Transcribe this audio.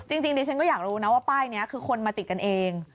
จริงดิฉันก็อยากรู้นะว่าป้ายนี้คือคนมาติดกันเอง